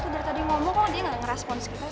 nah ini jagoan kita